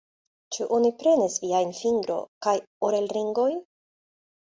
Ĉu oni prenis viajn fingro- kaj orel-ringojn?